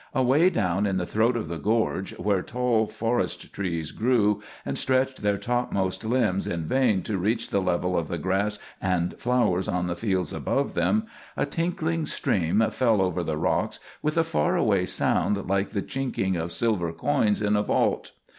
Away down in the throat of the gorge, where tall forest trees grew and stretched their topmost limbs in vain to reach the level of the grass and flowers on the fields above them, a tinkling stream fell over the rocks with a far away sound like the chinking of silver coins in a vault.